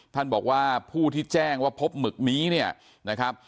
ท่านบอกว่าผู้ที่แจ้งว่าพบหมึกนี้เนี่ยนะครับ